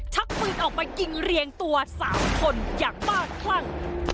ชักปืนออกมายิงเรียงตัว๓คนอย่างบ้าคลั่ง